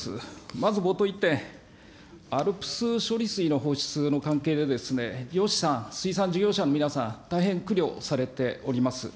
まず冒頭１点、ＡＬＰＳ処理水の放出の関係で、漁師さん、水産事業者の皆さん、皆さん、大変苦慮されております。